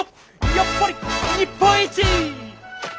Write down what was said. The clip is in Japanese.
やっぱり日本一！